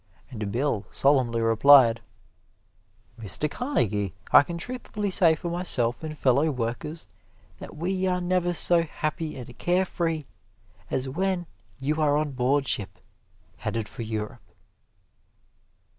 And Bill solemnly replied, "Mr. Carnegie, I can truthfully say for myself and fellow workers, that we are never so happy and care free as when you are on board ship, headed for Europe."